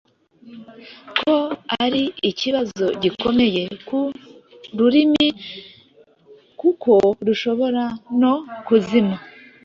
ko ari ikibazo gikomeye ku rurimi kuko rushobora no kuzima.